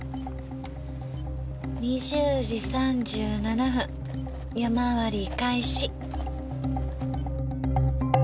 ２０時３７分夜回り開始。